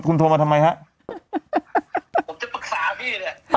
คุณโทรมาทำไมฮะผมจะปรึกษาพี่เนี่ย